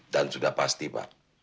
dan sudah pasti pak